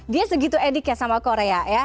dia segitu edik ya sama korea ya